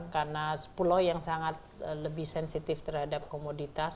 karena pulau yang sangat lebih sensitif terhadap komoditas